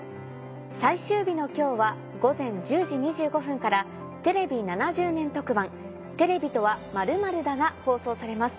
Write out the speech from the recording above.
最終日の今日は午前１０時２５分からテレビ７０年特番『テレビとは、○○だ』が放送されます。